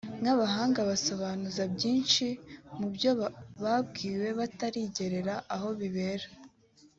nk’abahanga basobanuza byinshi mu byo babwiwe batarigerera aho bibera